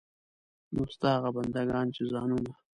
نو ستا هغه بندګان چې ځانونه.